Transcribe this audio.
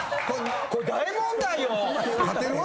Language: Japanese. これ大問題よ！